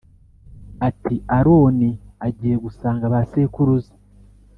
ati Aroni agiye gusanga ba sekuruza